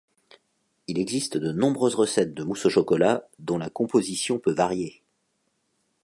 Il existe de nombreuses recettes de mousse au chocolat dont la composition peut varier.